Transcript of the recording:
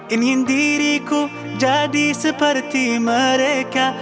ingin diriku jadi seperti mereka